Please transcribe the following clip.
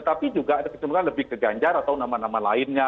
tapi juga ada kecenderungan lebih ke ganjar atau nama nama lainnya